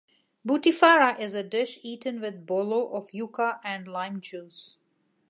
Butifarra is a dish eaten with "bollo" of yuca and lime juice.